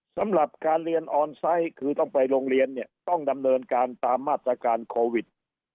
สำหรับการเรียนออนไซต์คือต้องไปโรงเรียนเนี่ยต้องดำเนินการตามมาตรการโควิด